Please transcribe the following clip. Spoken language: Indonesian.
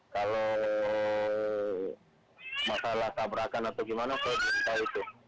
kalau masalah tabrakan atau gimana saya belum tahu itu